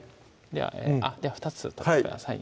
はいでは２つ取ってください